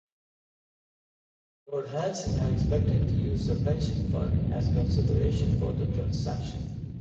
Lord Hanson had expected to use the Pension Fund as consideration for the transaction.